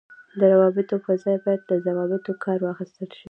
د روابطو پر ځای باید له ضوابطو کار واخیستل شي.